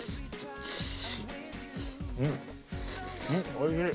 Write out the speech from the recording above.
おいしい。